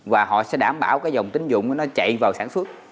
và họ sẽ đảm bảo cái dòng tính dụng nó chạy vào sản xuất